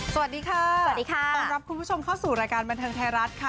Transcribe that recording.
สวัสดีค่ะสวัสดีค่ะต้อนรับคุณผู้ชมเข้าสู่รายการบันเทิงไทยรัฐค่ะ